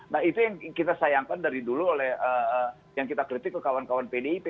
nah itu yang kita sayangkan dari dulu oleh yang kita kritik ke kawan kawan pdip